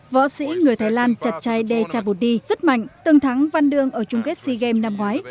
võ sĩ người thái lan trật trai de chabutdi rất mạnh từng thắng văn đương ở chung kết sea games năm ngoái